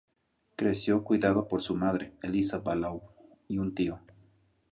Creció cuidado por su madre, Eliza Ballou, y un tío.